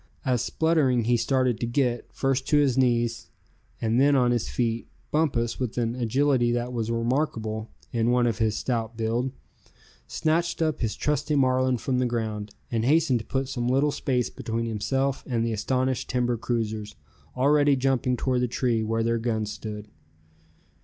As spluttering he started to get, first to his knees and then on his feet, Bumpus, with an agility that was remarkable in one of his stout build, snatched up his trusty Marlin from the ground, and hastened to put some little space between himself and the astonished timber cruisers, already jumping toward the tree where their guns stood.